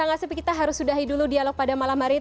kang asepi kita harus sudahi dulu dialog pada malam hari ini